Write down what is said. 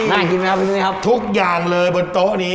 โอ้โหน่ากินไหมครับทุกอย่างเลยบนโต๊ะนี้